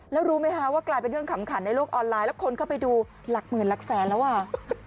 แล้วรู้ไหมคะว่ากลายเป็นเรื่องขำขันในโลกออนไลน์แล้วคนเข้าไปดูหลักหมื่นหลักแสนแล้วอ่ะ